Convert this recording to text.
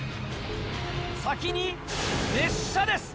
先に列車です！